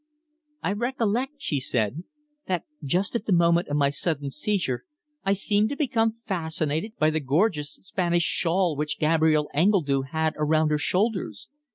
"I recollect," she said, "that just at the moment of my sudden seizure I seemed to become fascinated by the gorgeous Spanish shawl which Gabrielle Engledue had around her shoulders.